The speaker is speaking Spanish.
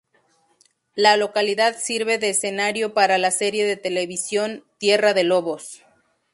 La localidad sirve de escenario para la serie de televisión "Tierra de lobos".